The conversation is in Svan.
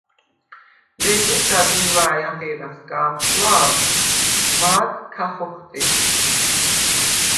ლუგუ̄შად იმუ̂ა̄̈ჲ ახე̄რა სგა ამსუა̄ლდ, მა̄გ ქახოჴდენი!